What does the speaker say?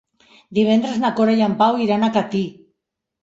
Divendres na Cora i en Pau iran a Catí.